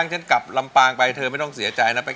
ให้ให้ร้องให้ได้